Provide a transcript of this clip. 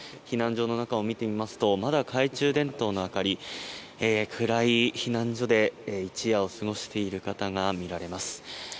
避難所の中を見てみてもまだ懐中電灯の明かり暗い避難所で一夜を過ごしている方が見られます。